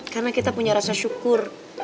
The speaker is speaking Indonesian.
karena kita punya rasa syukur